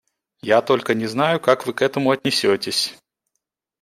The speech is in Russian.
Я только не знаю, как Вы к этому отнесетесь.